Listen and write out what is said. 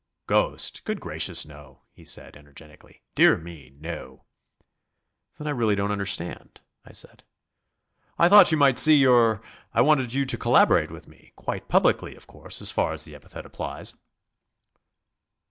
"'Ghost,' good gracious no," he said, energetically; "dear me, no!" "Then I really don't understand," I said. "I thought you might see your ... I wanted you to collaborate with me. Quite publicly, of course, as far as the epithet applies."